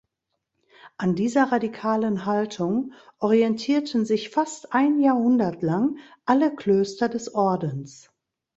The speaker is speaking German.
An dieser radikalen Haltung orientierten sich fast ein Jahrhundert lang alle Klöster des Ordens.